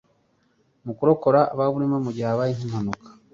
mu kurokora ababurimo mu gihe habaye nk'impanuka